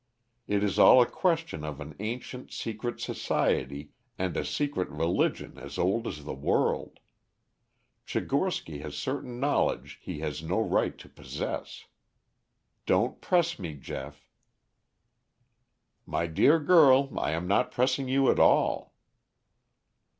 It is all a question of an ancient secret society and a secret religion as old as the world. Tchigorsky has certain knowledge he has no right to possess. Don't press me, Geoff." "My dear girl, I am not pressing you at all."